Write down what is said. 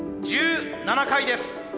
１７回です。